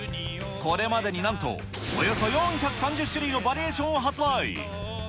これまでになんと、およそ４３０種類のバリエーションを発売。